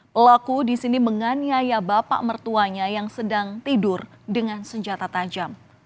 pelaku di sini menganiaya bapak mertuanya yang sedang tidur dengan senjata tajam